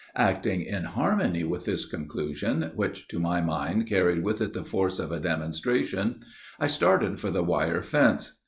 "Acting in harmony with this conclusion, which to my mind carried with it the force of a demonstration, I started for the wire fence.